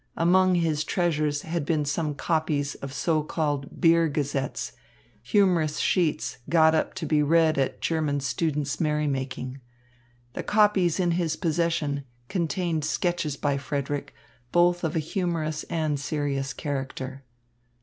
Among his treasures had been some copies of so called "beer gazettes," humorous sheets got up to be read at German students' merrymaking. The copies in his possession contained sketches by Frederick, both of a humorous and serious character.